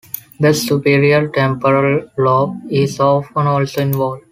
The superior temporal lobe is often also involved.